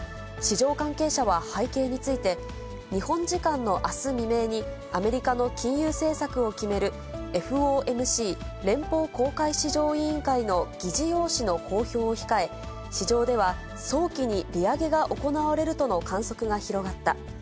市場関係者は背景について、日本時間のあす未明に、アメリカの金融政策を決めるＦＯＭＣ・連邦公開市場委員会の議事要旨の公表を控え、市場では早期に利上げが行われるとの観測が広がった。